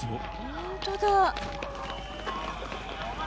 本当だ。